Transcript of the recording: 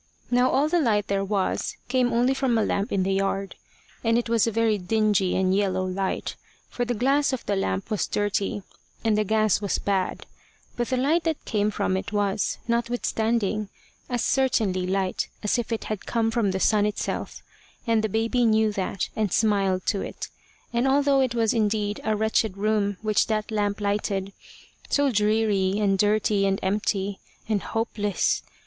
Now all the light there was came only from a lamp in the yard, and it was a very dingy and yellow light, for the glass of the lamp was dirty, and the gas was bad; but the light that came from it was, notwithstanding, as certainly light as if it had come from the sun itself, and the baby knew that, and smiled to it; and although it was indeed a wretched room which that lamp lighted so dreary, and dirty, and empty, and hopeless!